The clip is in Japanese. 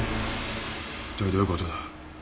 一体どういう事だ。